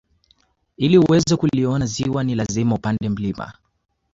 Ili uweze kuliona ziwa ni lazima upande mlima